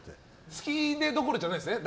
好きでどころじゃないですね。